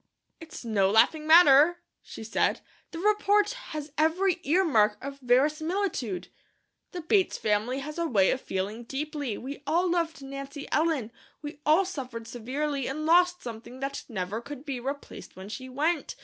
"It's no laughing matter," she said. "The report has every ear mark of verisimilitude. The Bates family has a way of feeling deeply. We all loved Nancy Ellen. We all suffered severely and lost something that never could be replaced when she went.